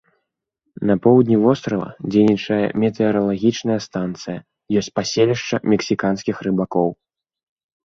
На поўдні вострава дзейнічае метэаралагічная станцыя, ёсць паселішча мексіканскіх рыбакоў.